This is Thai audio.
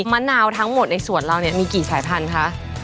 มะนาวทั้งหมดในสวนเราเนี่ยมีกี่สายพันธุ์คะ